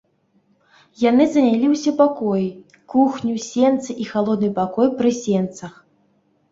Яны занялі ўсе пакоі, кухню, сенцы і халодны пакой пры сенцах.